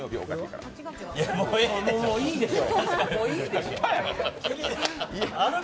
もういいでしょ。